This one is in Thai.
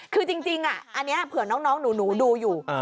คือจริงอันนี้เผื่อน้องหนูดูอยู่